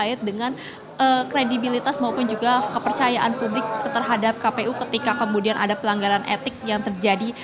ini juga kepercayaan publik terhadap kpu ketika kemudian ada pelanggaran etik yang terjadi